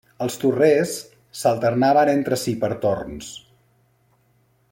Els torrers s'alternaven entre si per torns.